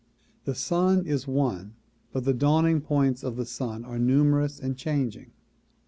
The sun is one but the dawning points of the sun are numerous and changing.